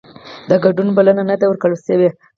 د ګډون بلنه نه ده ورکړل شوې